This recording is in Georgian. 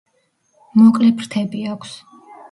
მოკლე ფრთები აქვს.